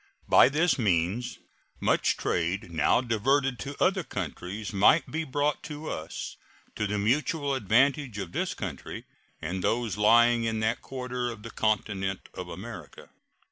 By this means much trade now diverted to other countries might be brought to us, to the mutual advantage of this country and those lying in that quarter of the continent of America.